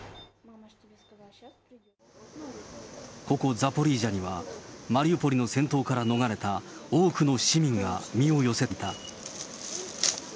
ここザポリージャには、マリウポリの戦闘から逃れた多くの市民が身を寄せていた。